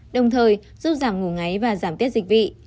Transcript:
đồng thời giúp giảm ngủ ngáy và giảm tiết dịch vị